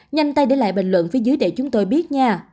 nhanh tay để lại bình luận phía dưới để chúng tôi biết nhà